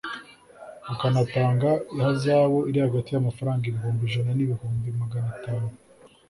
akanatanga ihazabu iri hagati y’amafaranga ibihumbi ijana n’ibihumbi magana atanu;